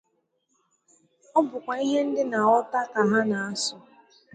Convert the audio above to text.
Ọ bụkwa ihe ndị na-aghọta ka ha na-asụ